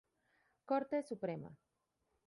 Corte Suprema.